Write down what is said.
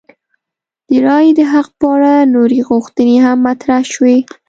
د رایې د حق په اړه نورې غوښتنې هم مطرح شوې.